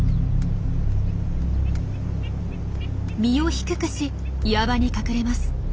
身を低くし岩場に隠れます。